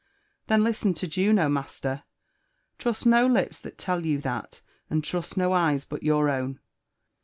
Then listen to Juno, master! — Trust no lips that tell you tha^ and trust no eyes but your own.